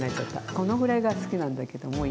このぐらいが好きなんだけどもういい？